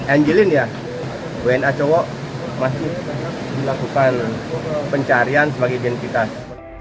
angelin ya wna cowok masih dilakukan pencarian sebagai identitas